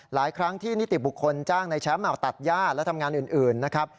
หลายครั้งที่นิติบุคคลจ้างในแชมป์ตัดย่าและทำงานอื่นนะครับ